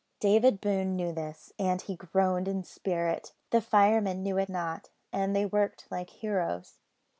David Boone knew this, and he groaned in spirit. The firemen knew it not, and they worked like heroes.